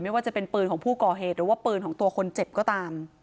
ไม่ว่าจะเป็นปืนของผู้ก่อเหตุหรือว่าปืนของตัวคนเจ็บก็ตาม